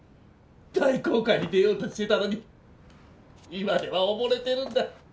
大航海に出ようとしてたのに今では溺れてるんだ。